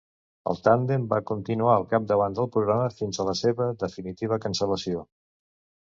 El tàndem va continuar al capdavant del programa fins a la seva definitiva cancel·lació.